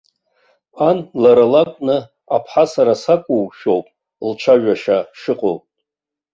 Ан лара лакәны, аԥҳа сара сакәушәоуп лцәажәашьа шыҟоу.